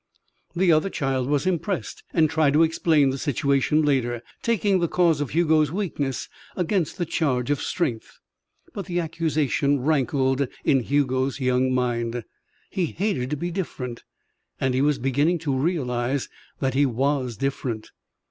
The other child was impressed and tried to explain the situation later, taking the cause of Hugo's weakness against the charge of strength. But the accusation rankled in Hugo's young mind. He hated to be different and he was beginning to realize that he was different.